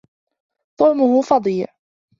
طعمه فظيع.